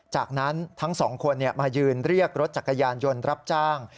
จากนั้นทั้งสองคนมายืนเรียกรถจักรยานยนต์รับจ้าง